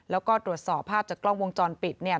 แล้วก็ตรวจสอบภาพจากกล้องวงจรปิดเนี่ย